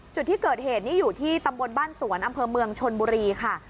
จุดที่เกิดเหตุนี้อยู่ที่ตำบลบ้านสวนอำเภอเมืองชนบุรีค่ะ